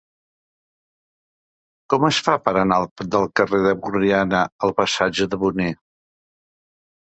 Com es fa per anar del carrer de Borriana al passatge de Boné?